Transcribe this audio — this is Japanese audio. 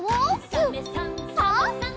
「サメさんサバさん」